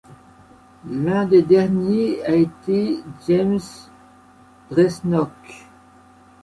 L'un des derniers a été James Dresnok.